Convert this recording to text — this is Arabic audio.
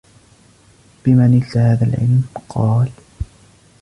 بِمَ نِلْت هَذَا الْعِلْمَ ؟ قَالَ